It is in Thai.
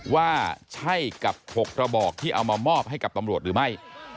ว่าใช่กับ๖กระบอกที่เอามามอบให้กับตำรวจหรือไม่